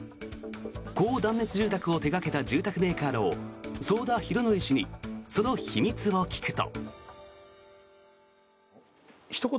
高断熱住宅を手掛けた住宅メーカーの早田宏徳氏にその秘密を聞くと。